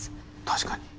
確かに。